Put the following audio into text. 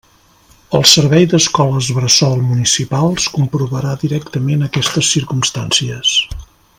El Servei d'Escoles Bressol Municipals comprovarà directament aquestes circumstàncies.